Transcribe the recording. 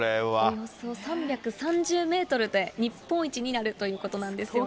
およそ３３０メートルで、日本一になるということなんですよね。